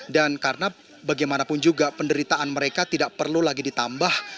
dan karena bagaimanapun juga penderitaan mereka tidak perlu lagi ditambah